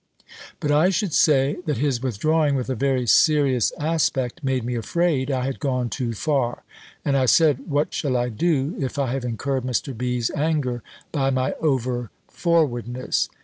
But I should say, that his withdrawing with a very serious aspect, made me afraid I had gone too far: and I said, "What shall I do, if I have incurred Mr. B.'s anger by my over forwardness!